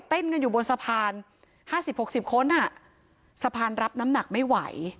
เต้นเงินอยู่บนสะพานห้าสิบหกสิบคนอ่ะสะพานรับน้ำหนักไม่ไหว